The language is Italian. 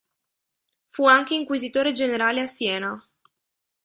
Fu anche inquisitore generale a Siena.